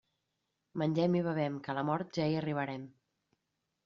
Mengem i bevem, que a la mort ja hi arribarem.